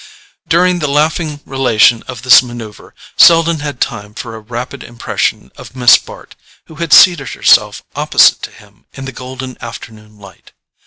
During the laughing relation of this manoeuvre, Selden had time for a rapid impression of Miss Bart, who had seated herself opposite to him in the golden afternoon light.